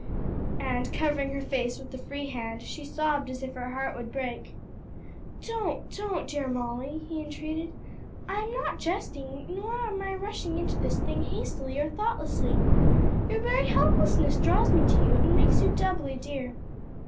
and covering her face with the free hand, she sobbed as if her heart would break. "Don't, don't, dear Molly," he entreated. "I am not jesting, nor am I rushing into this thing hastily or thoughtlessly. Your very helplessness draws me to you and makes you doubly dear.